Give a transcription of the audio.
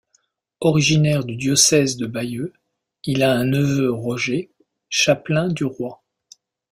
Originaire du diocèse de Bayeux, il a un neveu Roger, chapelain du roi.